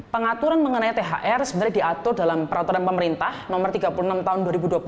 pengaturan mengenai thr sebenarnya diatur dalam peraturan pemerintah nomor tiga puluh enam tahun dua ribu dua puluh satu